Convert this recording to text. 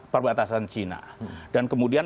perbatasan china dan kemudian